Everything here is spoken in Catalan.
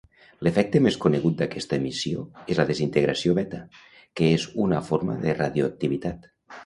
L'efecte més conegut d'aquesta emissió és la desintegració beta, que és una forma de radioactivitat.